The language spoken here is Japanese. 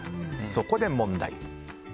そこで問題。